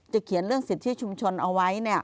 เขียนเรื่องสิทธิชุมชนเอาไว้